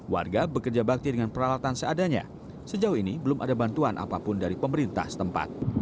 warga bekerja bakti dengan peralatan seadanya sejauh ini belum ada bantuan apapun dari pemerintah setempat